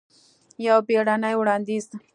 یو بیړنې وړاندیز!